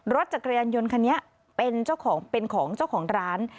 รถจักรยานยนต์คันนี้เป็นของเจ้าของร้าน